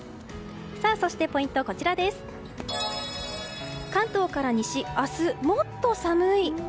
そして、ポイントは関東から西、明日もっと寒い。